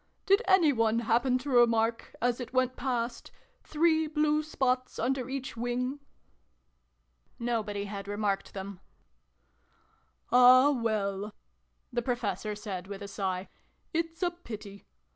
Did any one happen to remark as it went past three blue spots under each wing?" Nobody had remarked them. " Ah, well !" the Professor said with a sigh. "It's a pity.